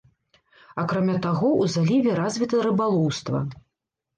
Акрамя таго ў заліве развіта рыбалоўства.